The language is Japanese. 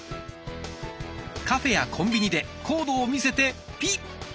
カフェやコンビニでコードを見せてピッ！